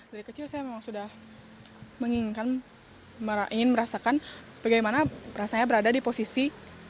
dari kecil saya memang sudah menginginkan ingin merasakan bagaimana rasanya berada di posisi